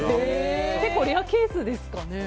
結構レアケースですかね。